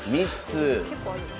結構あるな。